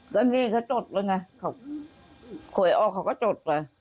วะนี่เขาจดละไงเขาค่อยออกเขาก็จดละ